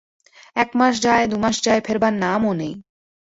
এক মাস যায়, দু মায় যায়, ফেরবার নামও নেই।